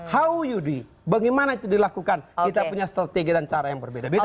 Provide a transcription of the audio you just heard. how you bagaimana itu dilakukan kita punya strategi dan cara yang berbeda beda